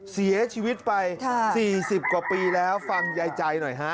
เสียชีวิตไป๔๐กว่าปีแล้วฟังยายใจหน่อยฮะ